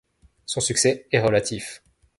Son succès est relatif.